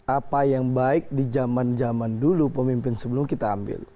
apa yang baik di zaman zaman dulu pemimpin sebelum kita ambil